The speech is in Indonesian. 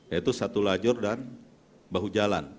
yaitu satu lajur dan bahu jalan